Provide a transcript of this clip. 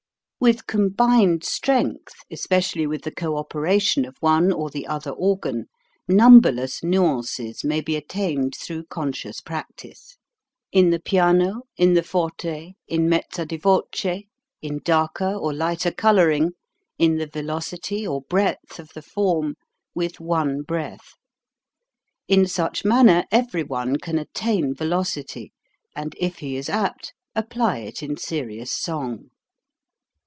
With combined strength, especially with the cooperation of one or the other organ, numberless nuances may be attained through conscious practice ; in the piano, in the forte, in mezza di voce, in darker or lighter coloring, in the velocity or breadth of the form, with one breath. In such manner every one can attain velocity, and if he is apt, apply it in serious song.